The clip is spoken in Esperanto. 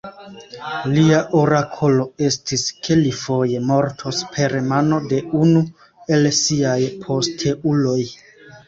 Lia orakolo estis, ke li foje mortos per mano de unu el siaj posteuloj.